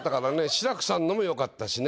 志らくさんのも良かったしね。